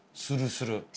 するする。